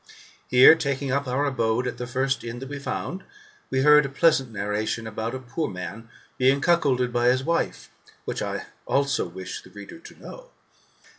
Here, taking up our abode at the first inn that we found, we heard a pleasant narration, about a poor man being cuckolded by his wife, which I also wish the reader to know.